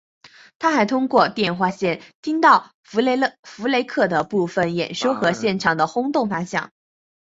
他还通过电话线听到福勒克的部分演说和现场的轰动反响。